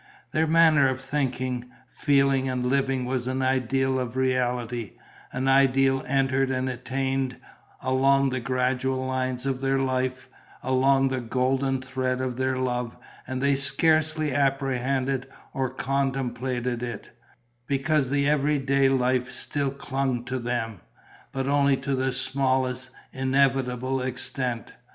Their manner of thinking, feeling and living was an ideal of reality, an ideal entered and attained, along the gradual line of their life, along the golden thread of their love; and they scarcely apprehended or contemplated it, because the every day life still clung to them. But only to the smallest, inevitable extent.